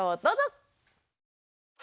どうぞ！